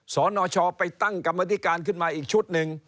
สนชไปตั้งกรรมธิการขึ้นมาอีกชุดหนึ่ง